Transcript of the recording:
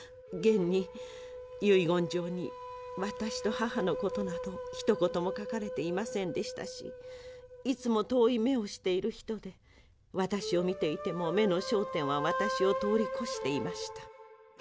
現に遺言状に私と母のことなどひと言も書かれていませんでしたしいつも遠い目をしている人で私を見ていても目の焦点は私を通り越していました。